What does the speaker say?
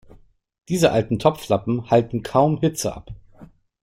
Diese alten Topflappen halten kaum Hitze ab.